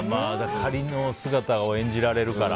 仮の姿を演じられるから。